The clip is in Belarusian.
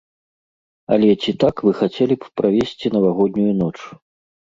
Але ці так вы хацелі б правесці навагоднюю ноч?